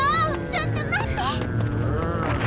ちょっと待って！